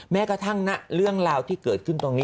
แม้กระทั่งเรื่องราวที่เกิดขึ้นตรงนี้